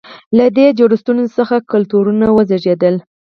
له دې جوړښتونو څخه کلتورونه وزېږېدل.